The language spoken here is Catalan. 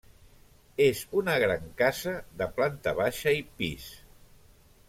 És una gran casa de planta baixa i pis.